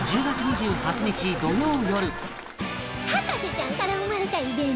『博士ちゃん』から生まれたイベント